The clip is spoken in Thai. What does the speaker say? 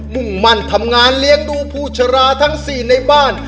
มุ่งมั่นทำงานเลี้ยงดูผู้ชราทั้ง๔ในบ้าน